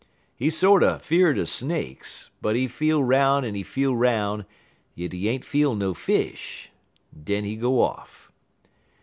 He sorter fear'd er snakes, but he feel 'roun' en he feel 'roun', yit he ain't feel no fish. Den he go off.